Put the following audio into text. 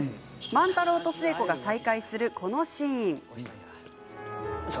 万太郎と寿恵子が再会するこのシーン。